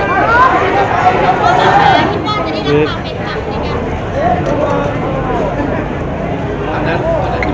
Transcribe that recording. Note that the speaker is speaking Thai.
มุมการก็แจ้งแล้วเข้ากลับมานะครับ